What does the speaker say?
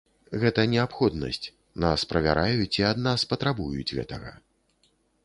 Гэта неабходнасць, нас правяраюць, і ад нас патрабуюць гэтага.